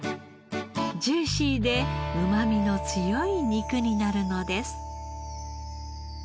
ジューシーでうまみの強い肉になるのです。